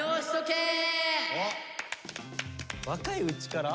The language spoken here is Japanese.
「若いうちから」？